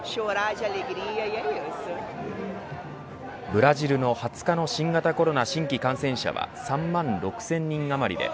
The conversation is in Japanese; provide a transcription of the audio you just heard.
ブラジルの２０日の新型コロナ新規感染者は３万６０００人余りで